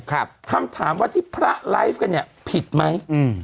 คำถามว่าที่พระไลฟ์กันเนี้ยผิดไหมอืม